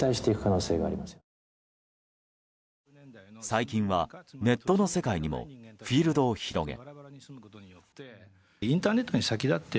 最近はネットの世界にもフィールドを広げ。